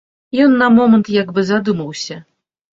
Ён на момант як бы задумаўся.